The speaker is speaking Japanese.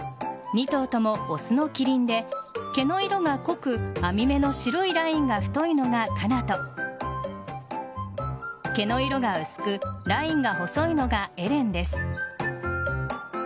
２頭ともオスのキリンで毛の色が濃く網目の白いラインが太いのがカナト毛の色が薄くラインが細いのがエレンです。